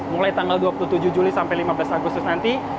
mulai tanggal dua puluh tujuh juli sampai lima belas agustus nanti